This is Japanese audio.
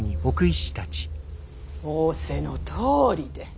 仰せのとおりで！